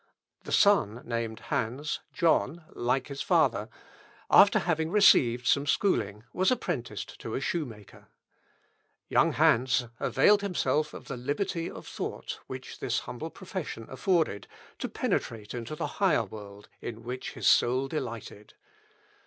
The son, named Hans (John) like his father, after having received some schooling, was apprenticed to a shoemaker. Young Hans availed himself of the liberty of thought, which this humble profession afforded, to penetrate into the higher world, in which his soul delighted.